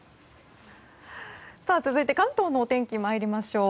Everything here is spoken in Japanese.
続いて関東のお天気、まいりましょう。